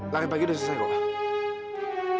lari pagi udah selesai kok